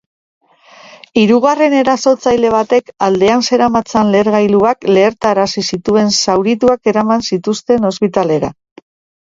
Hirugarren erasotzaile batek aldean zeramatzan lehergailuak lehertarazi zituen zaurituak eraman zituzten ospitalean.